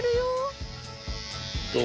どう？